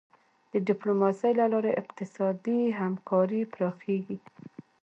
د ډیپلوماسی له لارې اقتصادي همکاري پراخیږي.